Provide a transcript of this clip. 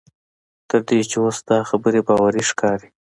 تر دې چې اوس دا خبره باوري ښکاري.